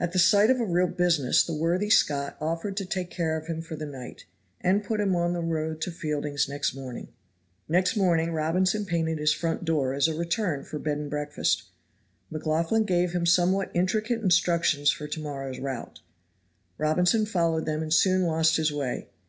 At the sight of a real business the worthy Scot offered to take care of him for the night, and put him on the road to Fielding's next morning. Next morning Robinson painted his front door as a return for bed and breakfast. McLaughlan gave him somewhat intricate instructions for to morrow's route. Robinson followed them and soon lost his way.